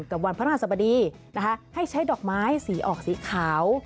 วันพระราชบดีนะคะให้ใช้ดอกไม้สีออกสีขาว